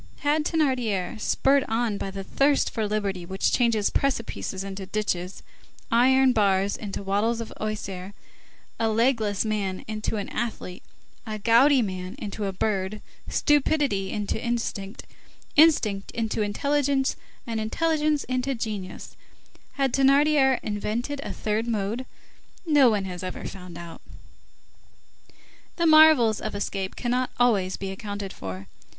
Had Thénardier, spurred on by that thirst for liberty which changes precipices into ditches, iron bars into wattles of osier, a legless man into an athlete, a gouty man into a bird, stupidity into instinct, instinct into intelligence, and intelligence into genius, had Thénardier invented a third mode? No one has ever found out. The marvels of escape cannot always be accounted for.